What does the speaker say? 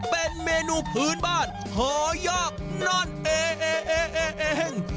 เป็นเมนูพื้นบ้านหอยอกนอนเอเอง